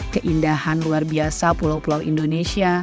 keindahan luar biasa pulau pulau indonesia